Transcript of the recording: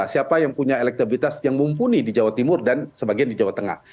siapa yang punya elektabilitas yang mumpuni di jawa timur dan sebagian di jawa tengah